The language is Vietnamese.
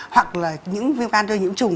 hoặc là những viêm gan do nhiễm trùng